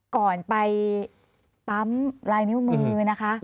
ก่อนไปปั๊มลายนิ้วมือนะคะ